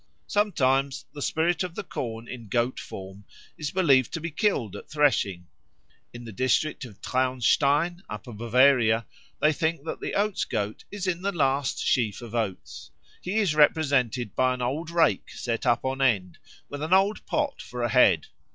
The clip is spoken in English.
Sometimes the spirit of the corn in goat form is believed to be killed at threshing. In the district of Traunstein, Upper Bavaria, they think that the Oats goat is in the last sheaf of oats. He is represented by an old rake set up on end, with an old pot for a head.